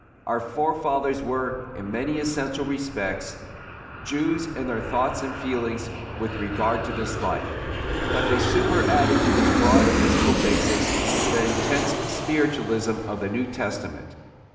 Our fore fathers were, in many essential respects, Jews in their thoughts and feelings with regard to this life, but they superadded to this broad physical basis the intense spiritualism of the New Testament.